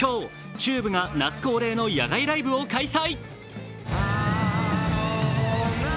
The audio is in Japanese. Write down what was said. ＴＵＢＥが夏恒例の野外ライブを開催。